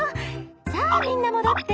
さあみんな戻って。